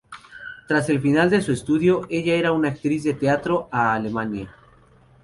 Tras el final de su estudio, ella era una actriz de teatro a Alemania.